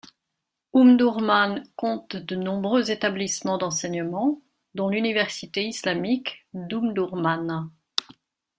Omdourman compte de nombreux établissements d'enseignement, dont l'université islamique d'Omdourman.